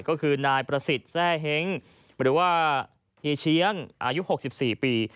ก็คือนายประสิทธิ์แทร่เฮ้งหรือว่าเฮียเชียงอายุ๖๔ปี